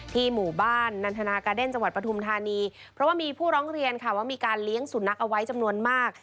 หมู่บ้านนันทนากาเด้นจังหวัดปฐุมธานีเพราะว่ามีผู้ร้องเรียนค่ะว่ามีการเลี้ยงสุนัขเอาไว้จำนวนมาก